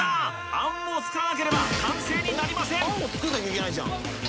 あんも作らなければ完成になりません